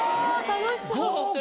楽しそう。